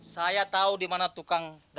saya tahu di mana tukang daun tuh ada